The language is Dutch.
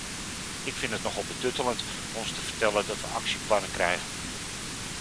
Ik vind het nogal betuttelend ons te vertellen dat we actieplannen krijgen.